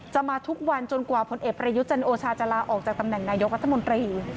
มาทุกวันจนกว่าผลเอกประยุทธ์จันโอชาจะลาออกจากตำแหน่งนายกรัฐมนตรี